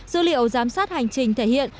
dữ liệu giám sát hành trình thể hiện